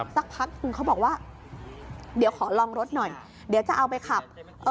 สักพักนึงเขาบอกว่าเดี๋ยวขอลองรถหน่อยเดี๋ยวจะเอาไปขับ